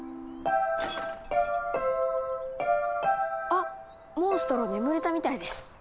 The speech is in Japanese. あモンストロ眠れたみたいです。